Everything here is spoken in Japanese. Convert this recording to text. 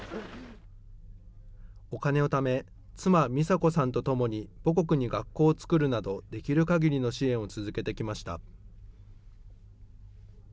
お金をため、妻、美砂子さんと共に母国に学校を作るなど、できるかぎりの支援を続けてきました。